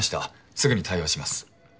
すぐに対応します。